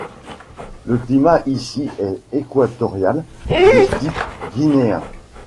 Le climat ici est équatorial de type guinéen.